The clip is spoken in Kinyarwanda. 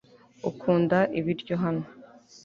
ukunda ibiryo hano